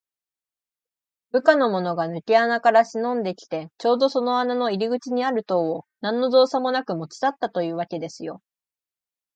部下のものがぬけ穴からしのんできて、ちょうどその穴の入り口にある塔を、なんのぞうさもなく持ちさったというわけですよ。